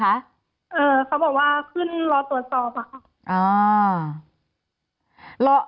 เขาบอกว่าขึ้นรอตรวจสอบอะค่ะ